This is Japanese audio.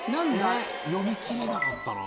読み切れなかったな。